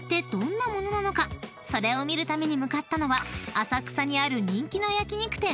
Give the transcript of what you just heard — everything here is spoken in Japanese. ［それを見るために向かったのは浅草にある人気の焼き肉店］